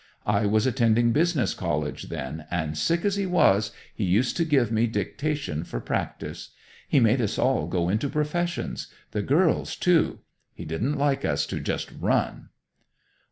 I was attending business college then, and sick as he was, he used to give me dictation for practise. He made us all go into professions; the girls, too. He didn't like us to just run."